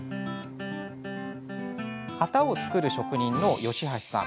型を作る職人の吉橋さん。